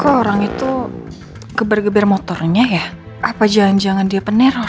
kok orang itu geber geber motornya ya apa jangan jangan dia penerang